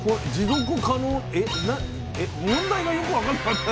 問題がよく分かんなかった。